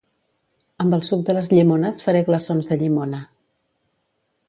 Amb el suc de les llimones faré glaçons de llimona